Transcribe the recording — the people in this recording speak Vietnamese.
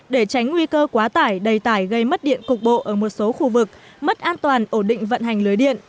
để tránh nguy cơ quá tải đầy tải gây mất điện cục bộ ở một số khu vực mất an toàn ổn định vận hành lưới điện